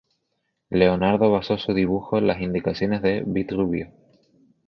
Leonardo basó su dibujo en las indicaciones de Vitruvio.